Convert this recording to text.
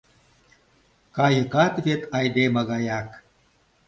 Кайыкат вет айдеме гаяк.